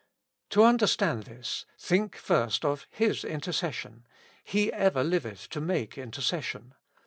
To understand this, think first of His intercession: He ever liveth to make intercession.